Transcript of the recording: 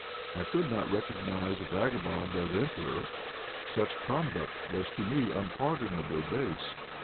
I could not recognize a vagabond as Emperor; such conduct was to me unpardonably base.